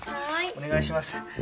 はいお願いします